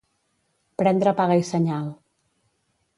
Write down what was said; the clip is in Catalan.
Prendre paga i senyal.